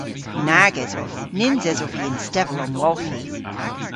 Nag esov. Nyns esov vy y'n stevel-omwolghi.